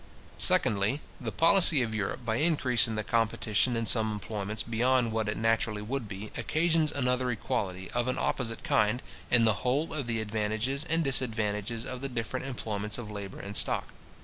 Secondly, the policy of Europe, by increasing the competition in some employments beyond what it naturally would be, occasions another inequality, of an opposite kind, in the whole of the advantages and disadvantages of the different employments of labour and stock.